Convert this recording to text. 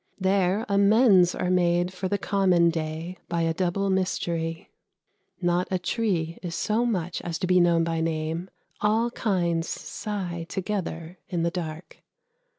There amends are made for the common day by a double mystery. Not a tree is so much as to be known by name; all kinds sigh together in the dark.